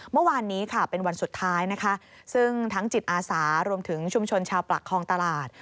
เมื่อวานนี้ค่ะเป็นวันสุดท้ายนะคะซึ่งทั้งจิตอาสารวมถึงชุมชนชาวประคองตลาด